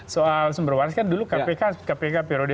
soal cumberwaras kan dulu kpk kpk periode sebelumnya